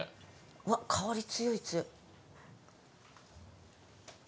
うわっ香り強い強い。